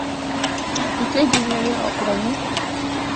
nke gụnyere Ọkpụnọ